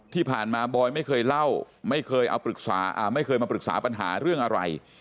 ที่ผ่านมาบอยไม่เคยเล่าไม่เคยมาปรึกษาปัญหาเรื่องอะไร